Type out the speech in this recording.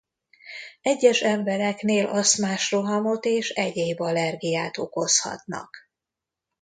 Egyes embereknél asztmás rohamot és egyéb allergiát okozhatnak.